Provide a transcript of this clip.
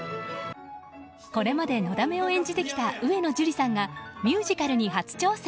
これまで、のだめを演じてきた上野樹里さんがミュージカルに初挑戦。